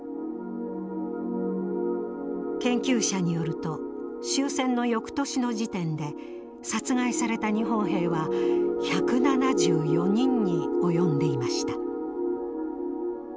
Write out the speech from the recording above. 研究者によると終戦の翌年の時点で殺害された日本兵は１７４人に及んでいました。